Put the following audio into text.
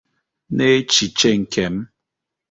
N'echiche nke m